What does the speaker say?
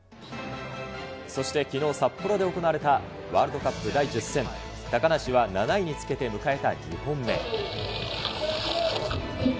そしてきのう札幌で行われた、ワールドカップ第１０戦、高梨は７位につけて迎えた２本目。